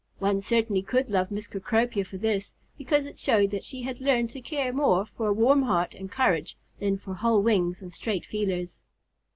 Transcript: One certainly could love Miss Cecropia for this, because it showed that she had learned to care more for a warm heart and courage than for whole wings and straight feelers.